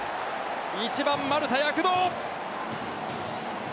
１番、丸田が躍動！